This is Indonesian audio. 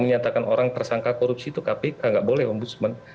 menyatakan orang tersangka korupsi itu kpk nggak boleh ombudsman